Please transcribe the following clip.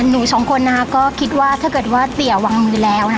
หนูสองคนก็คิดว่าถ้าเตี๋ยววางมือแล้ว